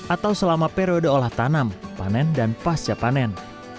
atau selama periode olah tanam panen dan pasca panen